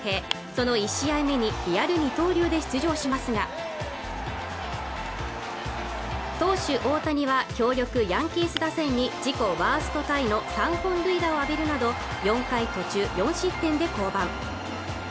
その１試合目にリアル二刀流で出場しますが投手・大谷は強力ヤンキース打線に自己ワーストタイの３本塁打を浴びるなど４回途中４失点で降板